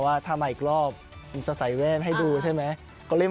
แต่เราก็อีกออกทีวีโลแล้ว